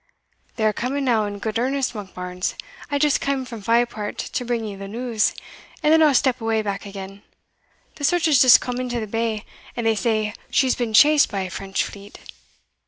"They are coming now, in good earnest, Monkbarns. I just cam frae Fairport to bring ye the news, and then I'll step away back again. The Search has just come into the bay, and they say she's been chased by a French fleet.